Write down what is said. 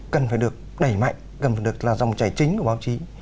cần phải được đẩy mạnh cần phải được là dòng chảy chính của báo chí